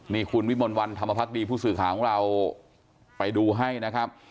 นี่คุณวิมลวันธรรมภักดีผู้สื่อข่าวของเราไปดูให้นะครับ